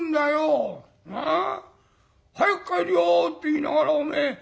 早く帰るよって言いながらおめえ